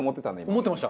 思ってました。